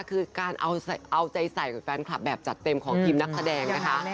คือการเอาใจใส่กับแฟนคลับแบบจัดเต็มของทีมนักแสดงนะคะ